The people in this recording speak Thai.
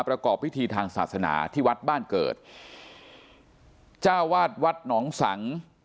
ประกอบพิธีทางศาสนาที่วัดบ้านเกิดจ้าวาดวัดหนองสัง